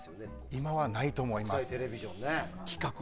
今はないと思います。